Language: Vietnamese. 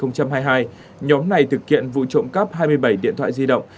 nhóm này thực hiện vụ trộm cắp hai mươi bảy điện thoại di động